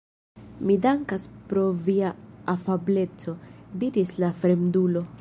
Mi dankas pro via afableco, diris la fremdulo.